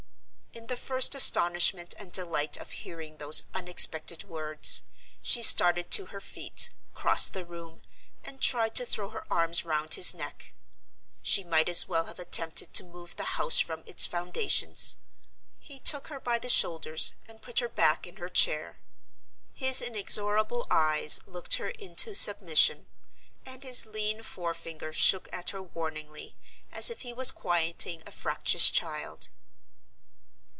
In the first astonishment and delight of hearing those unexpected words, she started to her feet, crossed the room, and tried to throw her arms round his neck. She might as well have attempted to move the house from its foundations. He took her by the shoulders and put her back in her chair. His inexorable eyes looked her into submission; and his lean forefinger shook at her warningly, as if he was quieting a fractious child.